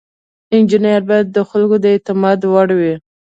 انجینر باید د خلکو د اعتماد وړ وي.